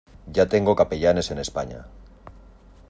ya tengo capellanes en España.